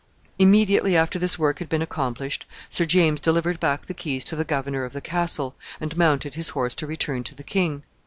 Immediately after this work had been accomplished, Sir James delivered back the keys to the governor of the castle, and mounted his horse to return to the king.